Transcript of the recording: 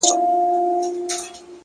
• خو دا لمر بيا په زوال د چا د ياد ـ